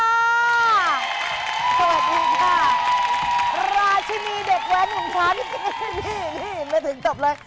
ราชินีเด็กแว้นของพระพิเศษไม่ถึงตบเลย